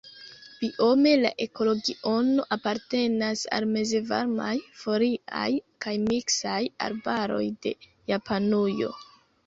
Biome la ekoregiono apartenas al mezvarmaj foliaj kaj miksaj arbaroj de Japanujo.